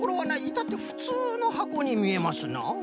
いたってふつうのはこにみえますな。